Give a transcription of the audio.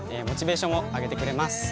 モチベーションを上げてくれます。